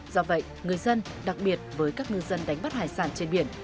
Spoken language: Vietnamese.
do vậy người dân đặc biệt với các ngư dân đánh bắt hải sản trên biển